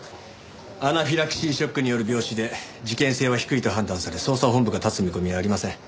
アナフィラキシーショックによる病死で事件性は低いと判断され捜査本部が立つ見込みはありません。